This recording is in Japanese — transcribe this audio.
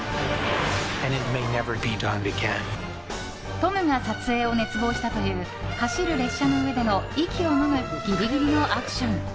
トムが撮影を熱望したという走る列車の上での息をのむギリギリのアクション。